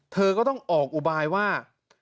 เธอก็ต้องออกอุบายว่า